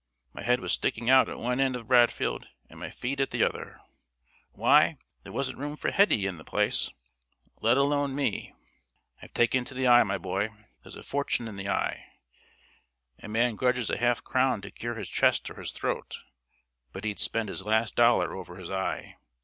My head was sticking out at one end of Bradfield and my feet at the other. Why, there wasn't room for Hetty in the place, let alone me! I've taken to the eye, my boy. There's a fortune in the eye. A man grudges a half crown to cure his chest or his throat, but he'd spend his last dollar over his eye.